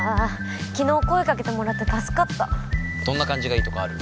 昨日声かけてもらって助かったどんな感じがいいとかある？